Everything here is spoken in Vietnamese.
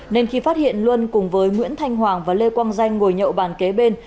nên khi phát hiện luân cùng với nguyễn thanh hoàng và lê quang danh ngồi nhậu bàn kế bên